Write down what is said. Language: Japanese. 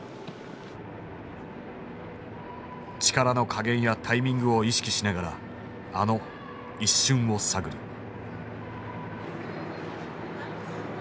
力の加減やタイミングを意識しながらあの一瞬を探る。